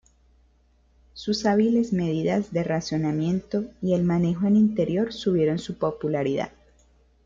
Sus hábiles medidas de racionamiento y el manejo en Interior subieron su popularidad.